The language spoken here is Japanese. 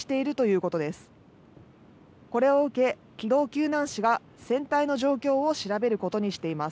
これを受け機動救難士が船体の状況を調べることにしています。